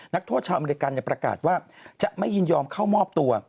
นักโทษชาวอเมริกันประกาศว่าจะไม่ยินยอมเข้ามอบตัว